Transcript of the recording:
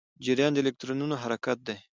جریان د الکترونونو حرکت دی.